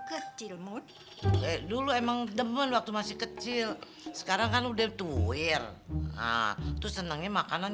kecil mood dulu emang demen waktu masih kecil sekarang kan udah tua terus senangnya makanan